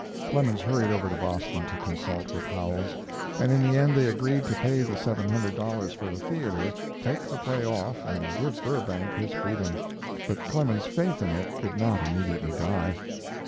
Clemens hurried over to Boston to consult with Howells, and in the end they agreed to pay the seven hundred dollars for the theater, take the play off and give Burbank his freedom. But Clemens's faith in it did not immediately die.